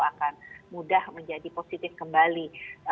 akan mudah menjadi positif kembali